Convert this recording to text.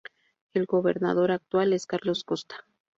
El Gobernador actual es Carlos Costa.